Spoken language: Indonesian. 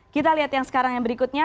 kita lihat yang sekarang yang berikutnya